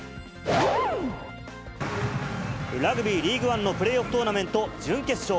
ラグビーリーグワンのプレーオフトーナメント準決勝。